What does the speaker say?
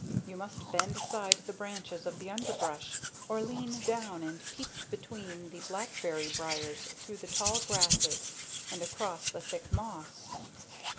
You must bend aside the branches of the underbrush, or lean down and peep between the blackberry briars through the tall grasses and across the thick moss.